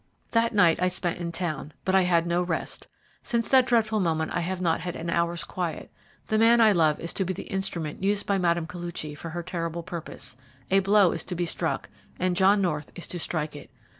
"That night I spent in town, but I had no rest. Since that dreadful moment I have not had an hour's quiet. The man I love is to be the instrument used by Mme. Koluchy for her terrible purpose. A blow is to be struck, and John North is to strike it.